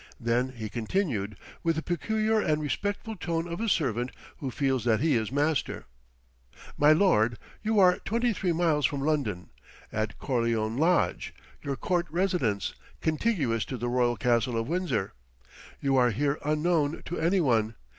Then he continued, with the peculiar and respectful tone of a servant who feels that he is master, "My lord, you are twenty three miles from London, at Corleone Lodge, your court residence, contiguous to the Royal Castle of Windsor. You are here unknown to any one.